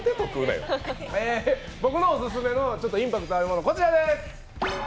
僕のオススメのちょっとインパクトのあるもの、こちらです